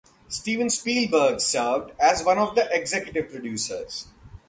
Steven Spielberg served as one of the executive producers.